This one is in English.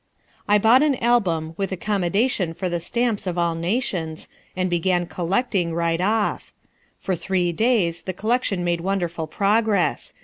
I bought an album with accommodation for the stamps of all nations, and began collecting right off. For three days the collection made wonderful progress.